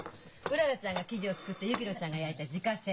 うららちゃんが生地を作って薫乃ちゃんが焼いた自家製。